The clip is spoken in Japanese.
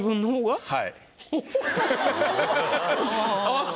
はい。